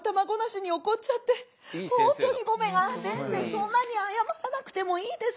そんなに謝らなくてもいいですよ。